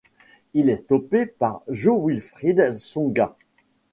Il est stoppé par Jo-Wilfried Tsonga.